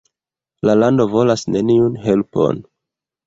La lando volas neniun helpon.